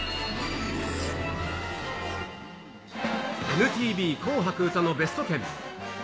ＮＴＶ紅白歌のベストテン。